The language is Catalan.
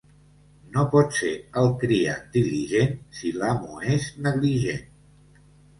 No pot ser el criat diligent, si l'amo és negligent.